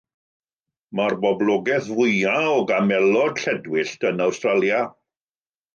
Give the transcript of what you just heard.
Mae'r boblogaeth fwyaf o gamelod lledwyllt yn Awstralia.